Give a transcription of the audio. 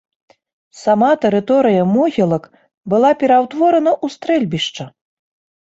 Сама тэрыторыя могілак была пераўтворана ў стрэльбішча.